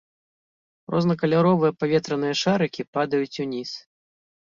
Рознакаляровыя паветраныя шарыкі падаюць уніз.